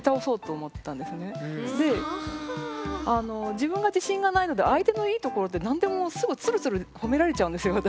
自分が自信がないので相手のいいところって何でもすぐつるつる褒められちゃうんですよ私。